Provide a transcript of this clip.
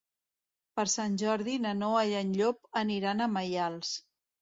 Per Sant Jordi na Noa i en Llop aniran a Maials.